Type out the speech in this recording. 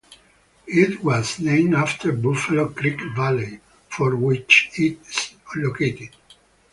It was named after Buffalo Creek Valley, for which it is located.